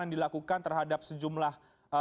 yang dilakukan terhadap sejumlah